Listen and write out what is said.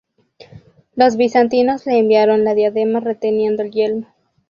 Los bizantinos le enviaron la diadema reteniendo el yelmo.